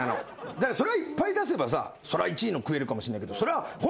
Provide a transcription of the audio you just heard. だからそれいっぱい出せばさ１位の食えるかもしれないけどそれは。